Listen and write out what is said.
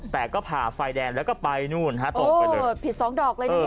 แต่ก็ผ่าไฟแดงแล้วก็ไปนู่นฮะโอ้โหผิดสองดอกเลยเนี่ย